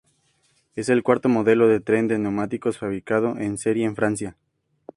Es el cuarto modelo de tren de neumáticos fabricado en serie en Francia.